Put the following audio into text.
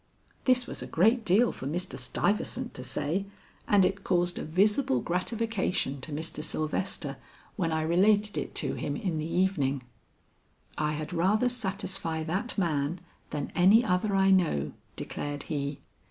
This was a great deal for Mr. Stuyvesant to say, and it caused a visible gratification to Mr. Sylvester when I related it to him in the evening. 'I had rather satisfy that man than any other I know,' declared he.